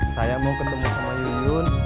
saya mau ketemu sama yuyun